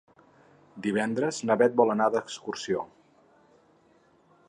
Divendres na Bet vol anar d'excursió.